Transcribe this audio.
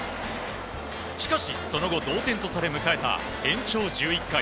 しかしその後、同点とされ迎えた延長１１回。